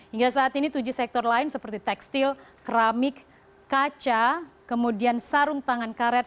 hingga saat ini tujuh sektor lain seperti tekstil keramik kaca kemudian sarung tangan karet